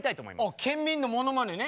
あ県民のものまねね。